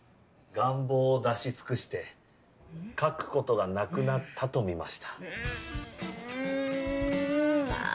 願望を出し尽くして書くことがなくなったと見ましたうんあぁ